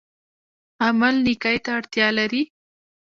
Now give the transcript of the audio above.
عمل نیکۍ ته اړتیا لري